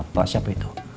pak siapa itu